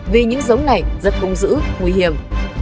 vì những dống này rất bùng giữ nguy hiểm